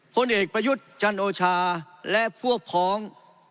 พลเอกประยุทธ์จันโอชาและพวกพ้อง